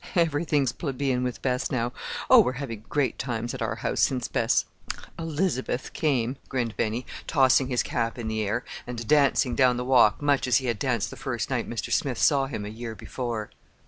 Everything's 'plebeian' with Bess now. Oh we're havin' great times at our house since Bess—elizabeth—came!" grinned Benny, tossing his cap in the air, and dancing down the walk much as he had danced the first night Mr. Smith saw him a year before.